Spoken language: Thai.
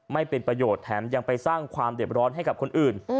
ไม่เป็นประโยชน์แถมยังไปสร้างความเด็บร้อนให้กับคนอื่น